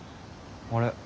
あれ？